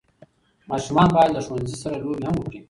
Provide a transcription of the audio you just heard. ماشومان باید له ښوونځي سره لوبي هم وکړي.